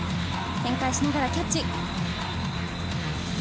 転回しながらキャッチ。